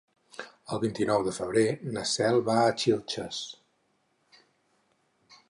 El vint-i-nou de febrer na Cel va a Xilxes.